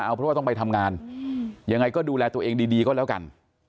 เอาเพราะว่าต้องไปทำงานยังไงก็ดูแลตัวเองดีก็แล้วกัน